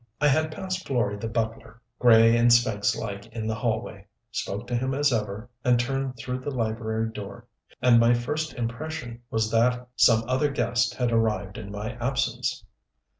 I had passed Florey the butler, gray and sphynx like in the hallway, spoke to him as ever, and turned through the library door. And my first impression was that some other guest had arrived in my absence.